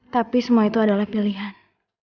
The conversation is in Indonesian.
tapi semua itu adalah pilihan